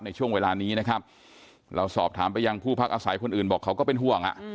ในช่วงเวลานี้นะครับเราสอบถามไปยังผู้พักอาศัยคนอื่นบอกเขาก็เป็นห่วง